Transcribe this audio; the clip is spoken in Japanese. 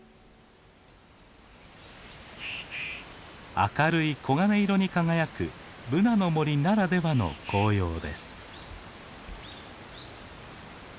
明るい黄金色に輝くブナの森ならではの紅葉です。